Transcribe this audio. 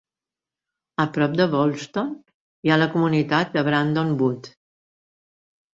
A prop de Wolston hi ha la comunitat de Brandon Wood.